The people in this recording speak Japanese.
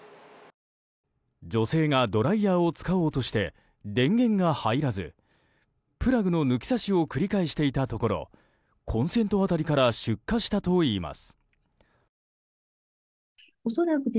女性がドライヤーを使おうとして電源が入らずプラグの抜き差しを繰り返していたところコンセント辺りから出火したといいます。